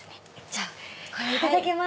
じゃこれをいただきます。